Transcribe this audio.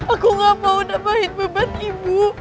aku gak mau dapat beban ibu